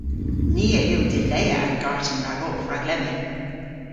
Ni a yll dilea an garten ragowgh rag lemmyn.